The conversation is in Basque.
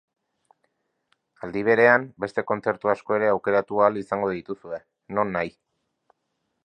Aldi berean, beste kontzertu asko ere aukeratu ahal izango dituzue, nonahi.